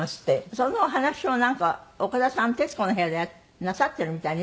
そのお話をなんか岡田さん『徹子の部屋』でなさってるみたいね。